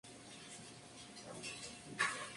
Por matrimonio, era landgravina de Hesse-Kassel.